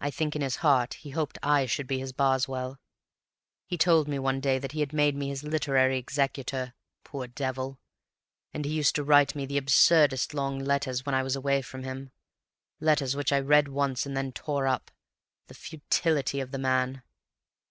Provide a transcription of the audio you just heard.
I think in his heart he hoped I should be his Boswell. He told me one day that he had made me his literary executor—poor devil. And he used to write me the absurdest long letters when I was away from him, letters which I read once and then tore up. The futility of the man!